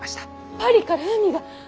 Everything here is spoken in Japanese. パリから文が？